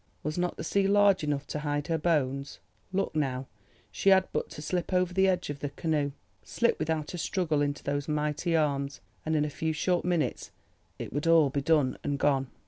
Was not the sea large enough to hide her bones? Look now, she had but to slip over the edge of the canoe, slip without a struggle into those mighty arms, and in a few short minutes it would all be done and gone!